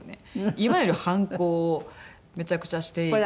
いわゆる反抗をめちゃくちゃしていて。